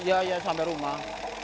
iya iya sampai rumah